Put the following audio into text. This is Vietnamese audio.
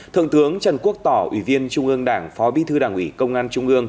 thượng tướng trần quốc tỏ ủy viên trung gương đảng phó bí thư đảng ủy công an trung gương